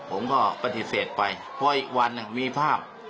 ผมก็ปฏิเสธไปเพราะอีกวันมีภาพ